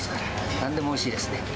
なんでもおいしいですね。